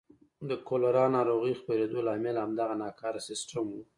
د کولرا ناروغۍ خپرېدو لامل همدغه ناکاره سیستم و.